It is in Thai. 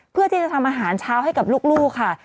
เพื่อที่จะทำอาหารเช้าให้กับลูกค่ะ